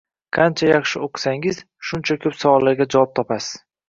Qancha yaxshi oʻqisangiz, shuncha koʻp savollarga javob topasiz